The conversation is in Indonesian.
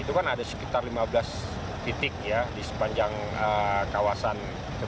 itu kan ada sekitar lima belas titik ya di sepanjang kawasan